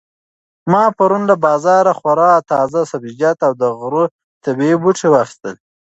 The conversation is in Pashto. ما پرون له بازاره خورا تازه سبزیجات او د غره طبیعي بوټي واخیستل.